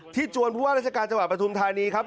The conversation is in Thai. ที่จวนรัชการประทุมธานีครับ